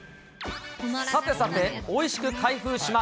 さてさて、おいしく開封しま